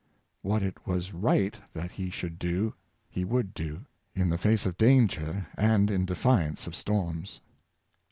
What it was right that he should do, he would do, in the face of danger and in defiance of storms.